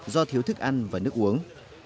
do thiếu thức ăn và nước uống